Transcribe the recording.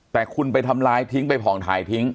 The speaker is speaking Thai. แต่คุณไปทำร้ายทิ้งไปผ่องถ่ายทิ้ง